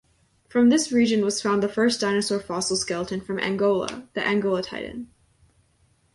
From this region was found the first dinosaur fossil skeleton from Angola: the "Angolatitan".